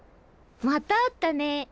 また会ったね。